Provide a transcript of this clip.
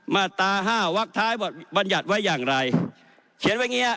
มาตราห้าวักท้ายบัญญัติไว้อย่างไรเขียนไว้อย่างเงี้